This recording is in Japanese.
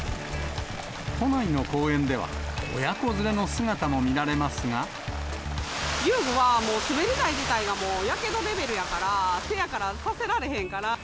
都内の公園では、遊具はもう、滑り台自体が、もうやけどレベルやから、せやから、させられへんから。